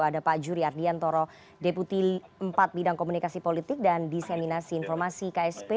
ada pak juri ardiantoro deputi empat bidang komunikasi politik dan diseminasi informasi ksp